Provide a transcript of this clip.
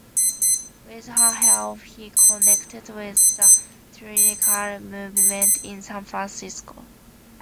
With her help, he connected with the theatrical movement in San Francisco.